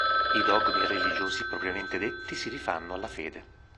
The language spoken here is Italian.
I dogmi religiosi propriamente detti si rifanno alla fede.